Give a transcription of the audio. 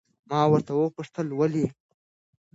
ما ورته وپوښتل ولې؟